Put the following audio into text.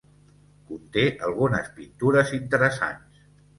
Conté algunes pintures interessants.